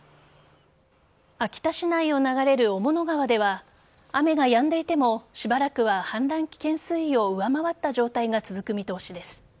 秋田市内を流れる雄物川では雨がやんでいてもしばらくは氾濫危険水位を上回った状態が続く見通しです。